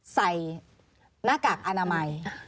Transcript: ใส่หน้ากากอนามัย